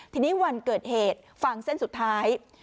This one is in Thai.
ทีนี้วันเกิดเหตุฟังเส้นสุดท้าย